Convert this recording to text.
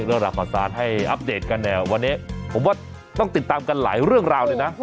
เรื่องราวข่าวสารให้อัปเดตกันเนี่ยวันนี้ผมว่าต้องติดตามกันหลายเรื่องราวเลยนะ